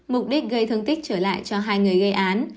mục đích gây thương tích trở lại cho hai người gây án